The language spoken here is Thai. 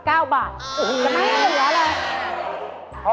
โอ้โฮยอดเลย